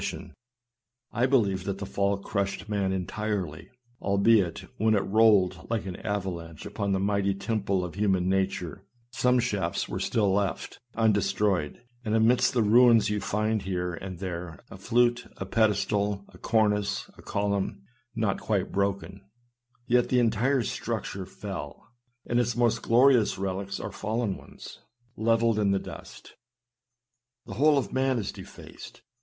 242 SERMONS. I believe that the fall crushed man entirely; albeit, when it rolled like an avalanche upon the mighty tem ple of human nature, some shafts were still left un destroyed, and amidst the ruins you find here and there, a flute, a pedestal, a cornice, a column, not quite broken, yet the entire structure fell, and its most glorious relics are fallen ones, levelled in the dust. The whole of man is defaced.